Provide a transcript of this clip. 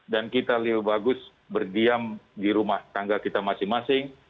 dan kita lebih bagus berdiam di rumah tangga kita masing masing